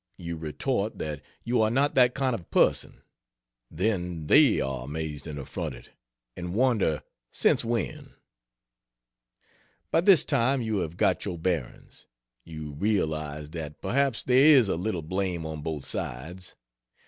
You retort that you are not that kind of person. Then they are amazed and affronted; and wonder "since when?" By this time you have got your bearings. You realize that perhaps there is a little blame on both sides.